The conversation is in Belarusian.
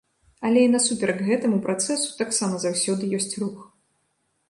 Але і насуперак гэтаму працэсу таксама заўсёды ёсць рух.